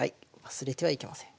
忘れてはいけません。